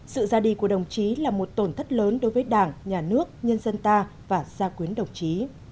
sự ra đi của đồng chí là một tổn thất lớn đối với đảng nhà nước nhân dân ta và gia quyến đồng chí